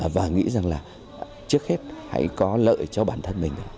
và nghĩ rằng là trước hết hãy có lợi cho bản thân mình